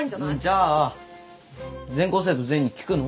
じゃあ全校生徒全員に聞くの？